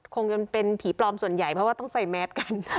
คงยังเป็นผีปลอมส่วนใหญ่เพราะว่าต้องใส่แมสกัน